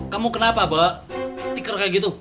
kamu kenapa bawa stiker kayak gitu